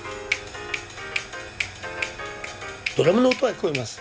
ドラムの音は聞こえます。